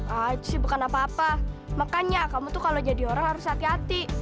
achie bukan apa apa makanya kamu tuh kalau jadi orang harus hati hati